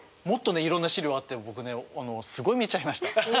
もっとねいろんな資料あって僕ねすごい見ちゃいました。